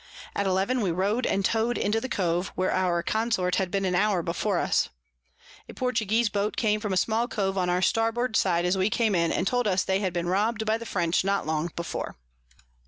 At eleven we row'd and tow'd into the Cove, where our Consort had been an hour before us: A Portuguese Boat came from a small Cove on our Starboard side as we came in, and told us they had been rob'd by the French not long before.